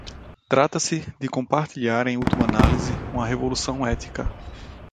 Trata-se de compartilhar, em última análise, uma revolução ética.